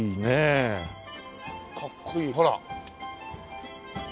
かっこいいほら！